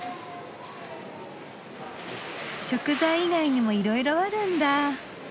食材以外にもいろいろあるんだ。